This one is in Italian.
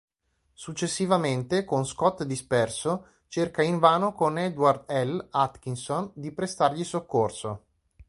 Successivamente, con Scott disperso, cerca invano con Edward L. Atkinson di prestargli soccorso.